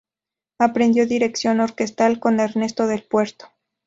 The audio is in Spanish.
Aprendió dirección orquestal con Ernesto del Puerto.